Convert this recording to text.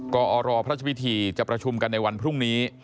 กรพระพิธีจะประชุมกันในวันพรุ่งนี้